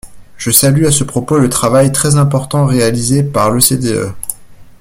Je salue à ce propos le travail très important réalisé par l’OCDE.